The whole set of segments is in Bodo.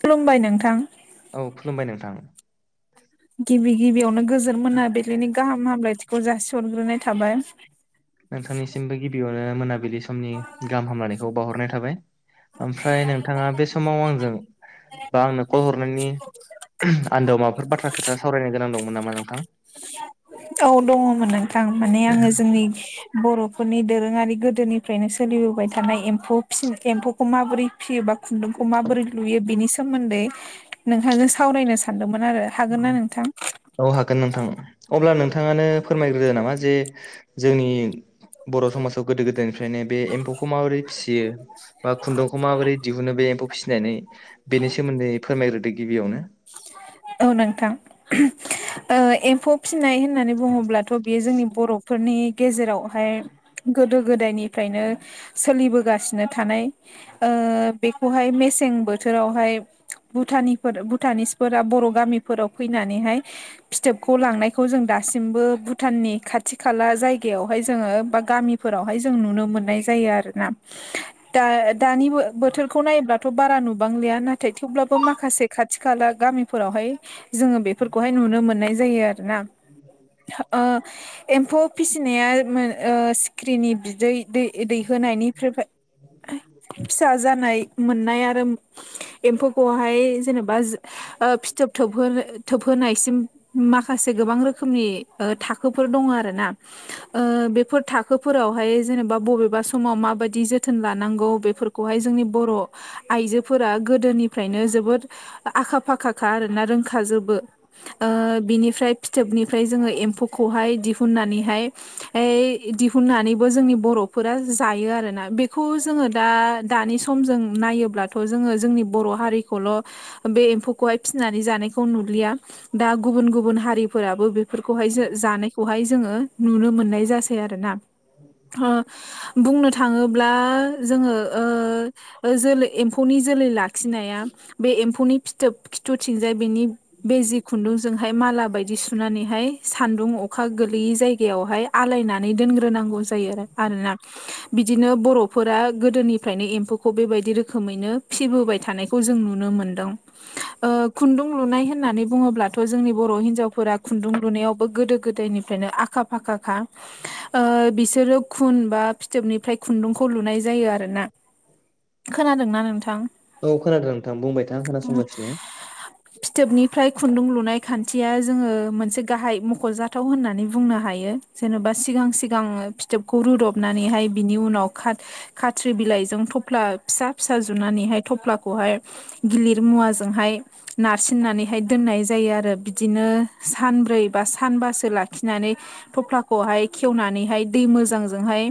खुलुमबाय नोंथां। औ खुलुमबाय नोंथां। गिबि गिबियावनो गोजोन मोनाबिलिनि गाहाम हामलायथिखौ जासिहरग्रोनाय थाबाय। नोंथांनिसिमबो गिबियावनो मोनाबिलि समनि गाहाम हामलनायखौ बावहरनाय थाबाय ओमफ्राय नोंथाङा बे समाव आंजों बा आंनो कल हरनायनि आन्दोआव माबाफोर बाथ्रा खोथा सावरायनो गोनां दंमोन नामा नोंथां? औ दङमोन नोंथां माने आङो जोंनि बर'फोरनि दोरोङारि गोदोनिफ्रायनो सोलिबोबाय थानाय एम्फौ फिन एम्फौखौ माबोरै फियोबा खुन्दुंखौ माबोरै लुयो बेनि सोमोन्दै नोंथाजों सावरायनो सानदोंमोन आरो हागोन ना नोंथां? औ हागोन नोंथां अब्ला नोंथाङानो फोरमायग्रोदो नामा जे जोंनि बर' समाजाव गोदो गोदायनिफ्रायनो बे एम्फौखौ माबोरै फिसियो बा खुन्दुंखौ माबोरै दिहुनो बे एम्फौ फिसिनानै बेनि सोमोन्दै फोरमायग्रोदो गिबियावनो औ नोंथां एम्फौ फिनाय होननानै बुङोब्लाथ' बेयो जोंनि बर'फोरनि गेजेरावहाय गोदो गोदायनिफ्रायनो सोलिबोगासिनो थानाय बेखौहाय मेसें बोथोरावहाय भुटानफोर भुटानिसफोरा बर' गामिफोराव फैनानैहाय फिथोबखौ लांनायखौ जों दासिमबो भुटाननि खाथि खाला जायगायावहाय जोङो बा गामि फोरावहाय जों नुनो मोननाय जायो आरोना दा दानि बोथोरखौ नायोब्लाथ' बारा नुबांलिया नाथाय थेवब्लाबो माखासे खाथि खाथि खाला गामिफोरावहाय जोङो बेफोरखौहाय नुनो मोननाय जायो आरोना ओ एम्फौ फिसिनाया सिखिरिनि बिदै दै दैहोनायनिफ्राय फिसा जानाय मोननाय आरो एम्फौखौहाय जेनेबा बा फिथोब थोबहोनो थोबहोनायसिम माखासे गोबां रोखोमनि थाखोफोर दङ आरो ना। ओ बेफोर थाखोफोरावहाय जेनेबा बबेबा समाव माबायदि जोथोन लानांगौ बे फोरखौहाय जोंनि बर' आइजोफोरा गोदोनिफ्रायनो जोबोद आखा फाखाखा आरोना रोंखाजोबो । ओ बिनिफ्राय फिथोबनिफ्राय जोङो एम्फौखौहाय दिहुननानैहाय ऐ दिहुननानैबो जोंनि बर'फोरा जायो आरोना बेखौ जोङो दा दानि समजों नायोब्लाथ' जोङो जोंनि बर' हारिखौल' बे एम्फौखौहाय फिसिनानै जानायखौ नुलिया दा गुबुन गुबुन हारि फोराबो बेफोरखौहाय जों जानायखौहाय जोङो नुनो मोननाय जासै आरोना । [unintelligible] बुंनो थाङोब्ला जोङो ओ जोलै एम्फौनि जोलै लाखिनाया बे एमफौ [unintelligible] सुनानैहाय सान्दुं अखा गोलैयै जायगायावहाय आलायनानै दोनग्रोनांगौ जायो आरोना । बिदिनो बर'फोरा गोदोनिफ्रायनो एम्फौखौ बेबायदि रोखोमैनो फिबोबाय थानाय [unintelligible] बुङोब्लाथ' जोंनि बर' हिन्जावफोरा खुन्दुं लुनायावबो गोदो गोदायनिफ्रायनो आखा फाखाखा । ओ बिसोरो खुन बा फिथोबनिफ्राय खुन्दुंखौ लुनाय जायो आर ना । खोनादोंना नोंथां औ खोनादों नोंथां बुंबाय थां खोनासंगासिनो फिथोबनिफ्राय खुन्दुं लुनाय खान्थिया जोङो मोनसे गाहाय मख'जाथाव होननानै बुंनो हायो । जेन'बा सिगां सिगां फिथोबखौ रुदबनानैहाय बिनि उनाव खाथ खाथ्रि बिलाइजों थफ्ला फिसा फिसा जुनानैहाय थफ्लाखौहाय गिलिर मुवाजोंहाय नारसिननानैहाय दोननाय जायो आरो । बिदिनो सानब्रै बा सानबासो लाखिनानै थफ्लाखौहाय खेवनानैहाय दै मोजांजोंहाय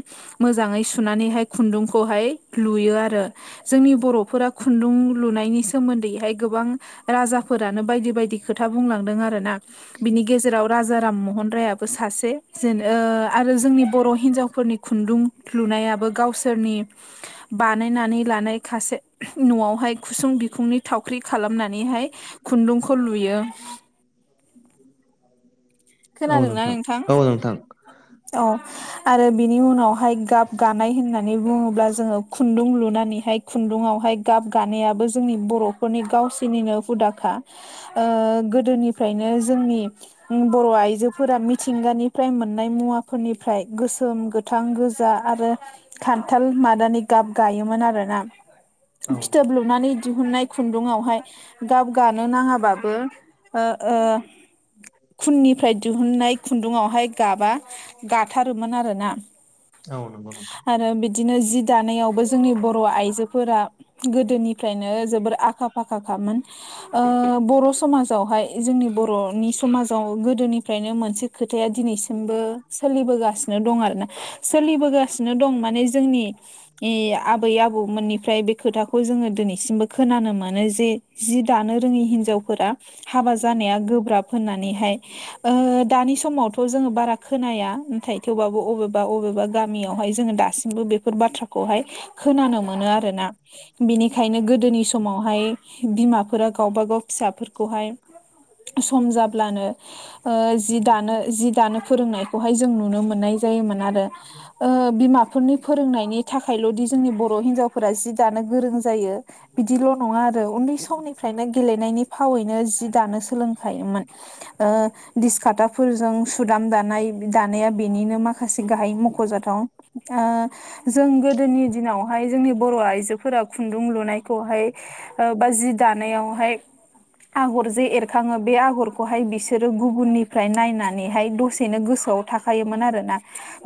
मोजाङै सुनानैहाय खुन्दुंखौहाय लुयो आरो । जोंनि बर'फोरा खुन्दुं लुनायनि सोमोन्दैहाय गोबां राजाफोरानो बायदि बायदि खोथा बुंलांदों आर ना । बिनि गेजेराव राजा राममहन रायाबो सासे जेन आरो जोंनि बर' हिनजावफोरनि खुन्दुं लुनायाबो गावसोरनि बानायनानै लानाय खसे न'आवहाय खुसुं बिखुंनि थावख्रि खालामनानैहाय खुन्दुंखौ लुयो औ खोनादोंना नोंथां? औ नोंथां औ आरो बिनि उनावहाय गाब गानाय होननानै बुङोब्ला जोङो खुन्दुं लुनानैहाय खुन्दुङआवहाय गाब गानायाबो जोंनि बर'फोरनि गावसोरनिनो हुदाखा। ओ गोदोनिफ्रायनो जोंनि बर' आइजोफोरा मिथिंगानिफ्राय मोननाय मुवाफोरनिफ्राय गोसोम गोथां गोजा आरो- खान्थाल मादानि गाब गायोमोन आरोना । औ फिथोब लुनानै दिहुननाय खुन्दुंआवहाय गाब गानो नाङाबाबो ओ ओ खुननिफ्राय दिहुननाय खुन्दुंावहाय गाबा गाथारोमोन आरोना । आन बा आरो बिदिनो जि दानायावबो जोंनि बर' आइजोफोरा गोदोनिफ्रायनो जोबोर आखा फाखाखामोन ओ बर' समाजावहाय जोंनि बर'नि समाज गोदोनिफ्रायनो मोनसे खोथाया दिनैसिमबो सोलिबोगासिनो दं आरो ना । सोलिबोगासिनो दं माने जोंनि आबै आबौमोननिफ्राय बे खोथाखौ जोङो दिनैसिमबो खोनानो मोनो जे जि दानो रोङि हिनजावफोरा हाबा जानाया गोब्राब होननानै [unintelligible] ओ दानि समावथ' जोङो बारा खोनाया । नाथाय थेवबाबो अबेबा बबेबा गामियावहाय जोङो दासिमबो बेफोर बाथ्राखौहाय खोनानो मोनो आरोना। बिनिखायनो गोदोनि समावहाय बिमाफोरा गावबा गाव फिसाफोरखौहाय सम जाब्लानो ओ जि दानो जि दानो फोरोंनायखौहाय जों नुनो मोननाय जायोमोन आरो ओ बिमा बे फोरनि फोरोंनायनि थाखायल'दि जोंनि बर' हिन्जावफोरा जि दानो गोरों जायो । बिदिल' नङा आरो । उन्दै समनिफ्रायनो गेलेनायनि फावैनो जि दानो सोलोंखायोमोन ओ दिसखाथाफोरजों सुदाम दानाय दानाया बेनिनो माखासे गाहाय मख'जाथाव। ओ जों गोदोनि दिनावहाय जोंनि बर' आइजोफोरा खुन्दुं लुनायखौहाय ओ बा जि दानायावहाय आगर जे एरखाङो बे आगरखौहाय बिसो सोरो गुबुननिफ्राय नायनानैहाय दसेनो गोसोआव थाखायोमोन आरोना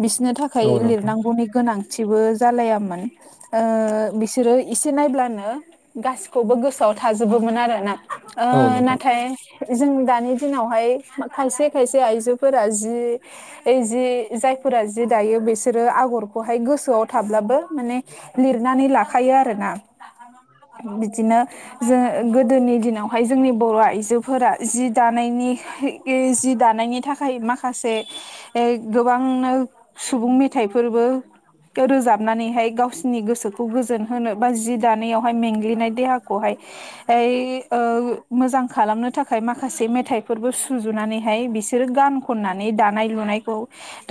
बिसोनो था खाय औ नोंथां लिरनांगौनि गोनां थिबो जालायामोन ओ बिसोरो एसे नायब्लानो गासिखौबो गोसोआव थाजोबोमोन आरोना ओ औ नोंथां नाथाय जों दानि दिनावहाय खायसे खायसे आइजोफोरा जि ओ जि जायफोरा जि दायो बिसोरो आगरखौहाय गोसोआव थाब्लाबो माने लिरनानै लाखायो आरोना बिदिनो जो गोदोनि दिनावहाय जोंनि बर' आइजोफोरा जि दा नायनि [unintelligible] जि दानायनि थाखाय माखा से [unintelligible] गोबांनो सुबुं मेथाइफोरबो रोजाबनानैहाय गावसिनि गोसोखौ गोजोन होनो बा जि दानायावहाय मेंग्लिनाय देहाखौहाय ओइ ओ मोजां खालामनो थाखाय माखासे [unintelligible] थाइफोरबो सुजुनानैहाय बिसोरो गान खननानै दानाय लुनायखौ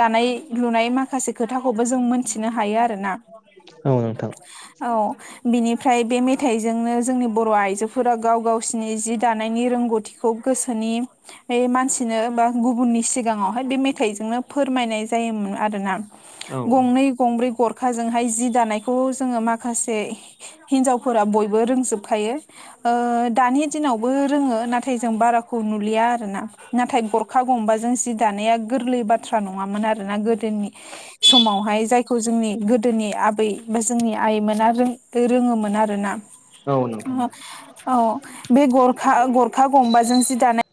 दानाय लुनाय माखासे खोथाखौबो जों मोनथिनो हायो आरोना। औ नोंथां। औ बिनिफ्राय बे मेथाइजोंनो जोंनि बर' आइजोफोरा गाव गावसिनि जि दानायनि रोंगौथिखौ गोसो [unintelligible] [unintelligible] मानसिनो बा गुबुननि सिगाङावहाय बे मेथाइजोंनो फोरमायनाय जायोमोन आरोना। औ गंनै गंब्रै गरखाजोंहाय जि दानायखौ जोङो माखासे हिनजावफोरा बयबो रोंजोबखायो। ओ दानि दिनावबो रोङो नाथाय जों बारा खौ नुलिया आरोना नाथाय गरखा गंबाजों जि दानाया गोरलै बाथ्रा नङामोन आरोना गोदोनि समावहाय जायखौ जोंनि गोदोनि आबै बा जोंनि आइमोना [unintelligible] रोङोमोन आरो ना औ नोंथां औ [unintelligible] औ बे गरखा गरखा गंबाजों जि दानाय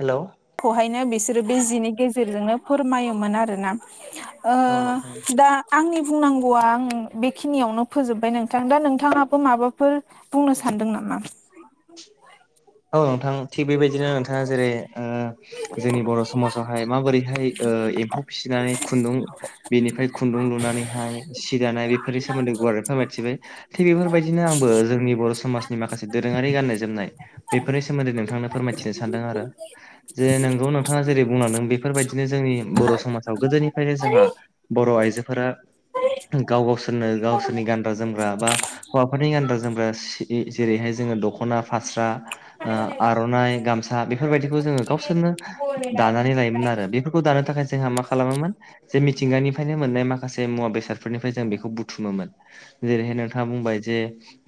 हेलौ खौहायनो बिसोरो बे जिनि गेजेरजोंनो फोरमायोमोन आरोना। ओ औ नोंथां दा आंनि बुंनांगौआ आं बेखिनियावनो फोजोबबाय नोंथां दा नोंथाङाबो माबाफोर बुंनो सानदों नामा? औ नोंथां थिग बेबायदिनो नोंथाङा जेरै ओ जोंनि बर' समाजावहाय माबोरैहाय ओ एम्फौ फिसिनानै खुन्दुं बेनिफ्राय खुन्दुं लुनानैहाय सि दानाय बेफोरनि सोमोन्दै गुवारै फोरमायथिबाय थिग बेफोरबायदिनो आंबो जोंनि बर' समाजनि माखासे दोरोङारि गाननाय जोमनाय बेफोरनि सोमोन्दै नोंथांनो फोरमायथिनो सानदों आरो जे नोंगौ नोंथाङा जेरै बुंलांदों बेफोरबायदिनो जोंनि बर' समाजाव गोदोनिफ्रायनो जोंहा बर' आइजोफोरा गाव गावसोरनो गावसोरनि गानग्रा जोमग्रा बा हौवाफोरनि गानग्रा जोमग्रा सि जेरैहाय जोङो दख'ना फास्रा ओ आर'नाइ गामसा बेफोरबायदिखौ जोङो गावसोरनो । दानानै लायोमोन आरो बेफोरखौ दानो थाखाय जोंहा मा खालामोमोन जे मिथिंगानिफ्रायनो मोननाय माखासे मुवा बेसादफोरनिफ्राय जों बेखौ बुथुमोमोन जेरैहाय नोंथाङा बुंबाय जे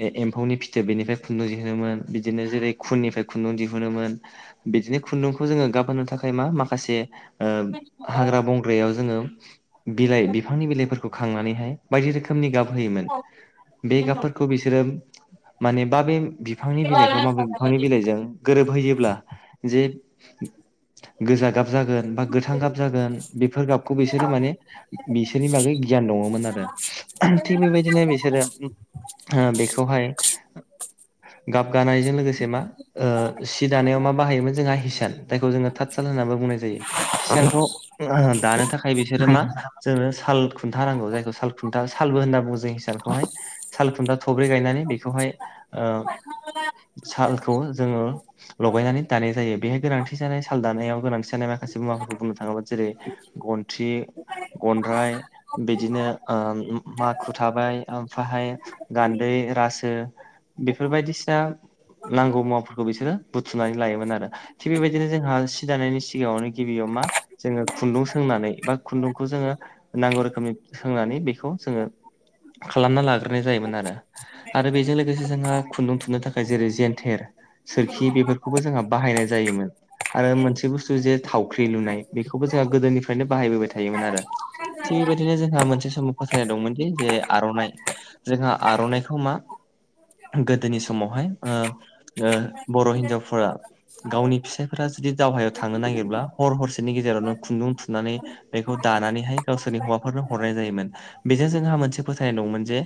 ए एम्फौनि फिथोफ बेनिफ्राय खुन्दुं दिहुनोमोन बिदिनो जेरै खुननिफ्राय खुन्दुं दिहुनोमोन बिदिनो खुन्दुंखौ जोङो गाबहोनो थाखाय मा माखासे ओ हाग्रा बंग्रायाव जोङो बिलाइ बिफांनि बिलाइफोरखौ खांनानैहाय बायदि रोखोमनि गाब होयोमोन बे गाबफोरखौ बिसोरो माने बा बेे [unintelligible] बिफांनि बिलाइखौ माबे बिफांनि बिलाइजों गोरोबहोयोब्ला जे गोजा गाब जागोन बा गोथां गाब जागोन बेफोर गाबखौ बिसोरो माने बिसोरनि बागै गियान दङमोन आरो थिग बेबायदिनो बिसोरो हा बेखौहाय गाबगानायजों लोगोसे बे मा ओ सि दानायाव मा बाहायोमोन जोंहा हिसान जायखौ जोङो थाथसाल होन्नानै बुंनाय जायो हिसारखौ उम आ दानो थाखाय बिसोरो मा जोंबो साल खुन्था नांगौ जायखौ साल खुन्था सालबो होनना बुङो जोंनि सा खौहाय सालु थुनथा थब्रै गायनानै बेखौहाय आ सालखौ जोङो लगायनानै दानाय जायो बेहाय गोनांथि जानाय साल दानायाव गोनांथि जानाय माखा माखासे मुवाफोरखौ बुंनो थाङोब्ला जेरै गन्थि गनद्राय बिदिनो ओ माखु थाबाय ओमफ्रायहाय गान्दै रासो बेफोरबायायदिसिना नांगौ मुवाफोरखौ बिसोरो बुथुमनानै लायोमोन आरो थिग बेबायदिनो जोंहा सि दानायनि सिगाङावनो गिबियाव मा जोङो खुन्दुं सोंनानै बा खुन्दुंखौ जोङो नांगौ रोखोमनि सोंनानै बेखौ जोङो खालामना लाग्रोनाय जायोमोन आरो बेजों लोगोसे जोंहा खुन्दुं थुननो थाखाय जेरै जेन्थेर सोरखि बेफोरखौबो जोंहा बाहायनाय जायोमोन आरो मोनसे बुस्थु जे थावख्रि लुनाय बेखौबो जोंहा गोदोनिफ्रायनो बाहायबोबाय थायोमोन आरो थिग बेबायदिनो जोंहा मोनसे समाव फोथायनाय दंमोनदि जे आर'नाइ जोंहा आर'नाइखौ मा गोदोनि समाव बहाय ओ ओ बर' हिन्जावफोरा गावनि फिसायफोरा जुदि दावहायाव थांनो नागिरब्ला हर हरसेनि गेजेरावनो खुन्दुं थुनानै बेखौ दानानैहाय गावसोरनि हौवाफोरनो हरनाय जायोमोन बेजों जोंहा मोनसे फोथायनाय दंमोन जे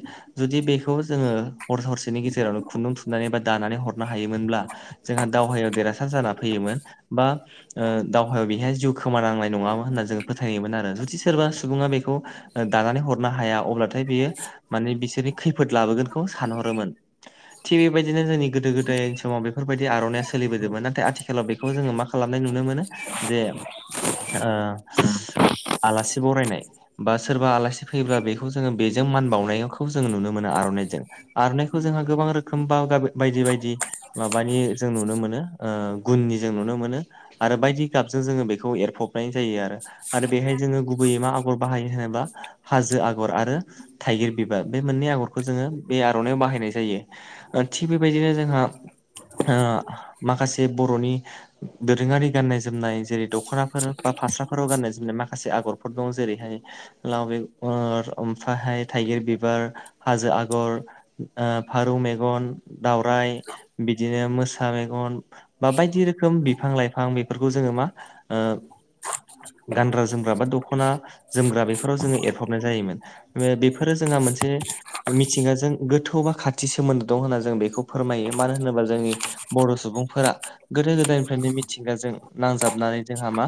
जुदि बेखौ जोङो हर हरसेनि गेजेरावनो खुन्दुं थुननानै बा दानानै हरनो हायोमोनब्ला जोंहा दावहायाव देरहासार जाना फैयोमोन बा ओ दावहायाव बेहाय जिउ खोमानांनाय नङामोन होनना जोंङो फोथायोमोन आरो जुदि सोरबा सुबुङा बेखौ दानानै हरनो हाया अब्लाथाय बियो माने बिसोरनि खैफोद लाबोगोनखौ सानहरोमोन थिग बेबायदिनो जोंनि गोदो गोदाय समाव बेफोरबायदि आर'नाइया सोलिबोदोंमोन नाथाय आथिखालाव बेखौ जोङो मा खालामनाय नुनो मोनो जे आ उम आलासि बरायनाय बा सोरबा आलासि फैयोब्ला बेखौ जोङो बेजों मान बावनायखौ जों नुनो मोनो आर'नाइजों आर'नाइ खौ जोंहा गोबां रोखोम बा बायदि बायदि माबानि जों नुनो मोनो ओ गुननि जों नुनो मोनो आरो बायदि गाबजों जोङो बेखौ एरफबनाय जायो आरो आरो बेहाय जोङो गुबैयै मा आगर बाहायो होनोब्ला हाजो आगर आरो थाइगिर बिबार बे मोननै आगरखौ जोङो बे आर'नाइाव बाहायनाय जायो थिग बेबायदिनो जोंहा ओ माखासे बर'नि दोरोङारि गाननाय जोमनाय जेरै दख'ना फोर बा फास्राफोराव गाननाय जोमनाय माखासे आगरफोर दं जेरैहाय लाव बेगर ओमफ्रायहाय थाइगिर बिबार हाजो आगर आ फारौ मेगन दावराइ बिदिनो मोसा मेगन बा बायदि रोखोम बिफां लाइफां बेफोरखौ जोङो मा ओ गानग्रा जोमग्रा बा दख'ना जोमग्रा बेफोराव जोङो एरफबनाय जायोमोन बेफोरो जोंहा मोनसे मिथिंगाजों गोथौ बा खाथि खाथि सोमोन्दो दं होनना जों बेखौ फोरमायो मानो होनोब्ला जोंनि बर' सुबुंफोरा गोदो गोदायनिफ्रायनो मिथिंगाजों नांजाबनानै जोंहा मा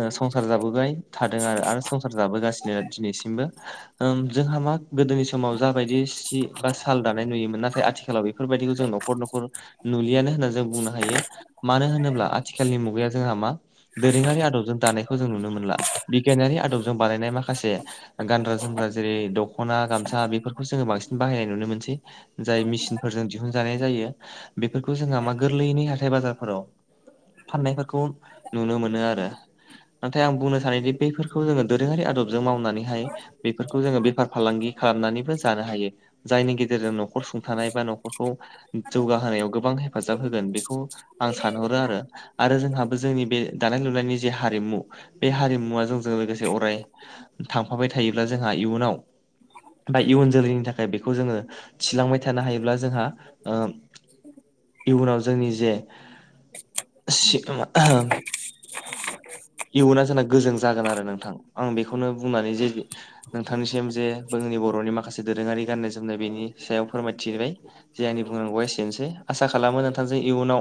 ओ संसार जाबोबाय थादों आरो आरो संसार जाबोगासिनो दिनैसिमबो । ओम जोंहा मा गोदोनि समाव जाबायदि सि बा साल दानाय नुयो । मोन नाथाय आथिखालाव बेफोरबायाददिखौ जों न'खर न'खर नुलियानो होननानै जों बुंनो हायो । मानो होनोब्ला आथिखालनि मुगाया जोंहा मा दोरोङारि आदबजों दानायखौ जों नुनो मोनला बिगियानारि आदबजों बानायनाय माखासे ओ गानग्रा जोमग्रा जेरै दख'ना गामसा बेफोरखौ जोङो बांसिन बाहायनाय नुनो मोनसै। जाय मेसिनफोरजों दिहुनजानाय जायो बेफोरखौ जोंहा मा गोरलैयैनो हाथाय बाजारफोराव फाननायफोरखौ नुनो मोनो आरो । नाथाय आं बुंनो सानोदि बैफोरखौ जोङो दोरोङारि आदबजों मावनानैहाय बेफोरखौ जोङो बेफार फालांगि खालामनानैबो जानो हायो जायनि गेजेरजों न' खर सुंथानाय बा न'खरखौ जौगाहोनायाव गोबां हेफाजाब होगोन बेखौ आं सानहरो आरो । आरो जोंहाबो जोंनि बे दानाय लुनायनि जे हारिमु बे हारिमुवा जोंजों लोगोसे अराय थांफाबाय थायोब्ला जोंहा इयुनाव बा इयुन जोलैनि थाखाय बेखौ जोङो थिलांबाय थानो हायोब्ला जोंहा ओ इयुनाव जोंनि जे [inaudible] [unintelligible] इयुना जोंना गोजों जागोन आरो नोंथां आं बेखौनो बुंनानै जे नोंथांनिसिम जे जोंनि बर'नि माखासे दोरोङारि गाननाय जोमनाय बेनि सायाव फोरमायथिबाय जे आंनि बुंनांगौआ एसेनोसै आसा खालामो नोंथांजों इयुनाव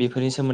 बेफोरनि सोमोन